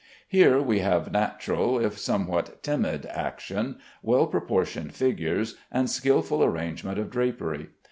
Here we have natural, if somewhat timid, action, well proportioned figures, and skilful arrangement of drapery.